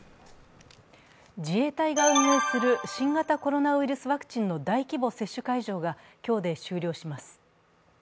自衛隊が運営する新型コロナウイルスワクチンの大規模接種会場が今日で終了します。